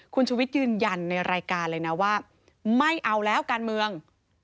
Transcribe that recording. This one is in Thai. คุณชุวิตยืนยันในรายการเลยนะว่าไม่เอาแล้วการเมือง